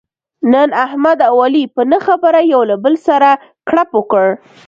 نن احمد او علي په نه خبره یو له بل سره کړپ وکړ.